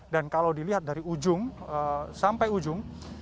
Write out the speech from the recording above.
dan kalau dilihat dari ujung sampai ujung